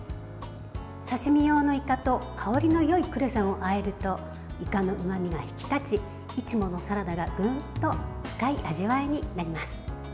刺身用のいかと香りのよいクレソンをあえるといかのうまみが引き立ちいつものサラダがぐんと深い味わいになります。